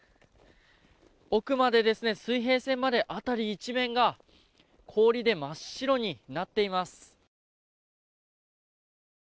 奥まで、水平線まで辺り一面が氷で真っ白になっています。